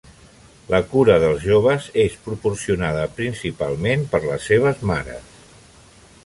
La cura dels joves és proporcionada principalment per les seves mares.